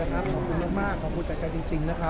ขอบคุณมากขอบคุณใจจริงนะฮะ